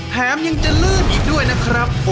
แถมยังจะลื่นอีกด้วยนะครับ